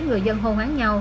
người dân hôn án nhau